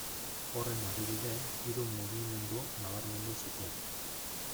Horren adibide, hiru mugimendu nabarmendu zituen.